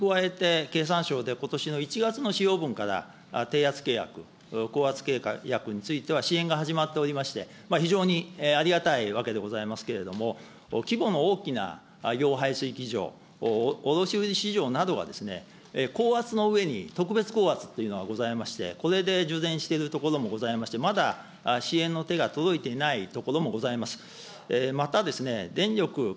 これに加えて、経産省でことしの１月の使用分から低圧契約、高圧契約については支援が始まっておりまして、非常にありがたいわけでありますけれども、規模の大きな市場、卸売市場などは、高圧の上に特別高圧っていうのがございまして、これで充電しているところもございまして、まだ支援の手が届いていないところもございます。